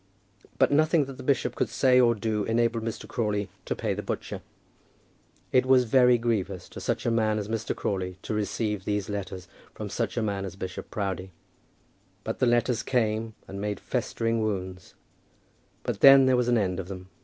But nothing that the bishop could say or do enabled Mr. Crawley to pay the butcher. It was very grievous to such a man as Mr. Crawley to receive these letters from such a man as Bishop Proudie; but the letters came, and made festering wounds, but then there was an end of them.